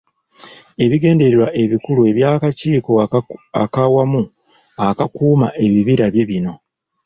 Ebigendererwa ebikulu eby'Akakiiko ak'Awamu Akakuuma Ebibira bye bino.